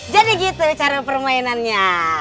jadi gitu cara permainannya